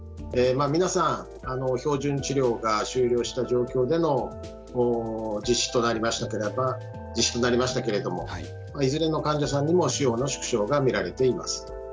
皆さん標準治療が終了した状況での実施となりましたけれどもいずれの患者さんにも腫瘍の縮小が見られています。